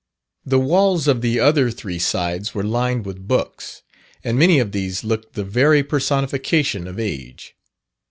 The walls of the other three sides were lined with books. And many of these looked the very personification of age.